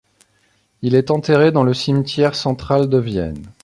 Il est enterré dans le cimetière central de Vienne.